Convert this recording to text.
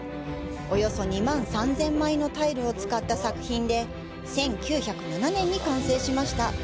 およそ２万３０００枚のタイルを使った作品で、１９０７年に完成しました。